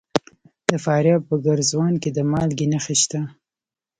د فاریاب په ګرزوان کې د مالګې نښې شته.